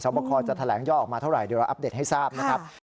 บคจะแถลงย่อออกมาเท่าไหร่เดี๋ยวเราอัปเดตให้ทราบนะครับ